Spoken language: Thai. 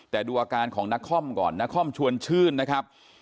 แต่ดูอาการของนักคล่อมก่อนนักคล่อมชวนชื่นนะครับ